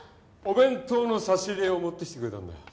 お弁当の差し入れを持ってきてくれたんだよ